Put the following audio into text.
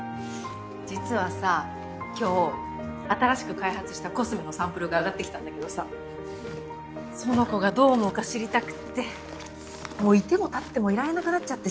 実はさ今日新しく開発したコスメのサンプルが上がってきたんだけどさ苑子がどう思うか知りたくってもう居ても立ってもいられなくなっちゃってさ。